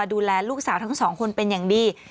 ดูแลลูกสาวทั้งสองคนเป็นอย่างดี